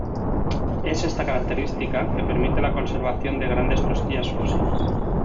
Es esta característica que permite la conservación de grandes costillas fósiles.